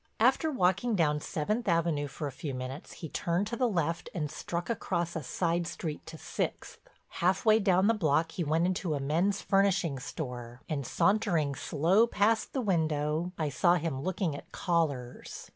After walking down Seventh Avenue for a few minutes he turned to the left and struck across a side street to Sixth. Half way down the block he went into a men's furnishing store, and sauntering slow past the window, I saw him looking at collars.